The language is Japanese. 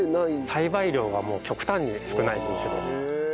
栽培量が極端に少ない品種です。